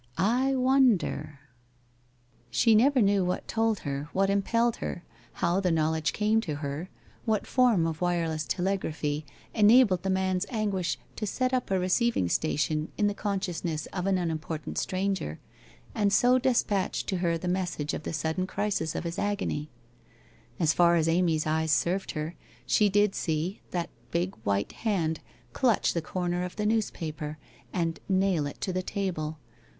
I wonder ?' She never knew what told her, what impelled her, how the knowledge came to her, what form of wireless teleg raphy enabled the man's anguish to set up a receiving sta tion in the consoiousness of an unimportant stranger, and bo despatch to her the message of the sudden crisis of his agonv. As far as Amy's eyes served her she did see that big white hand clutch the corner of the newspaper, and nail it to the table.